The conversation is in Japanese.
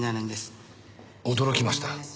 驚きました。